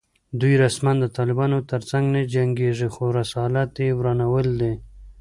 دوی رسماً د طالبانو تر څنګ نه جنګېږي خو رسالت یې ورانول دي